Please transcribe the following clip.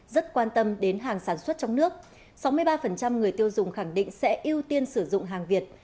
rất quan tâm đến hàng sản xuất trong nước sáu mươi ba người tiêu dùng khẳng định sẽ ưu tiên sử dụng hàng việt